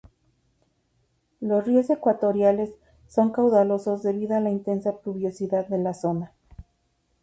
Los ríos ecuatoriales son caudalosos debido a la intensa pluviosidad de la zona.